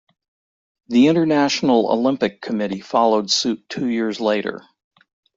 The International Olympic Committee followed suit two years later.